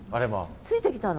ついてきたの？